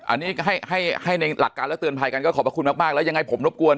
อันนี้ให้ให้ในหลักการแล้วเตือนภัยกันก็ขอบพระคุณมากแล้วยังไงผมรบกวน